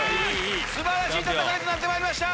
素晴らしい戦いとなってまいりました。